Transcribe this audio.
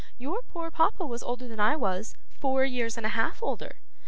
Your poor papa was older than I was, four years and a half older.